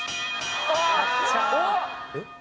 えっ？